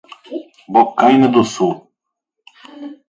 Bocaina do Sul